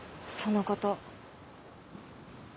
そのこと。